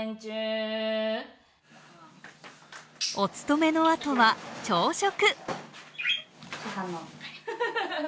お勤めのあとは朝食。